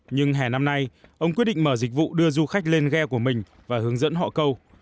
nhưng hè năm nay ông quyết định mở dịch vụ đưa du khách lên ghe của mình và hướng dẫn họ câu